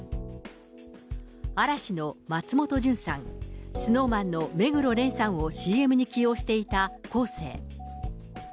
嵐の松本潤さん、ＳｎｏｗＭａｎの目黒蓮さんをＣＭに起用していたコーセー。